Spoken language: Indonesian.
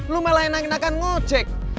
lo malah enakan enakan ngejek